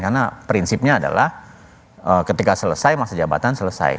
karena prinsipnya adalah ketika selesai masa jabatan selesai